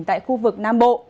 tại khu vực nam bộ